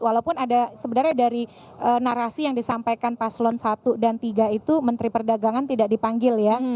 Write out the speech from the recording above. walaupun ada sebenarnya dari narasi yang disampaikan paslon satu dan tiga itu menteri perdagangan tidak dipanggil ya